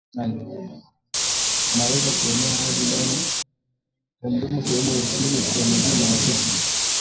yanaweza kuenea hadi ndani ya mdomo sehemu za chini ya miguu na matiti